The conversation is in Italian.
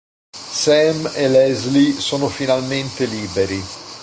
Sam e Leslie sono finalmente liberi.